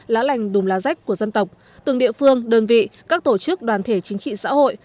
lá lành đùm lá rách của dân tộc từng địa phương đơn vị các tổ chức đoàn thể chính trị xã hội